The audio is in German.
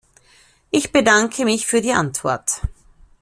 Ich bedanke mich für die Antwort.